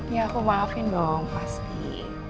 ya aku maafin dong pasti